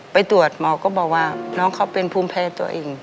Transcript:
ไปตรวจหมอก็บอกว่าน้องเขาเป็นภูมิแพ้ตัวเอง